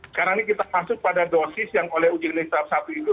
sekarang ini kita masuk pada dosis yang oleh ujn satu itu